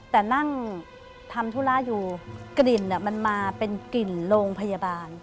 แต่นั่งทำธุระอยู่กลิ่นมันมาเป็นกลิ่นโรงพยาบาล